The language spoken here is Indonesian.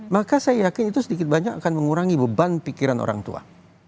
maka saya yakin itu sedikit banyak akan mengurangi beban pikiran orang tua